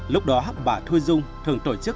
lúc đó bà thuê dung thường tổ chức